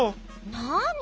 なに？